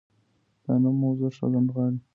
دا نوم موضوع ښه رانغاړي.